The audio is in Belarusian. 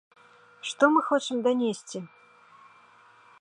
Што мы хочам данесці?!